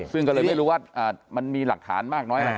ซึ่งก็เลยไม่รู้ว่ามันมีหลักฐานมากน้อยอะไร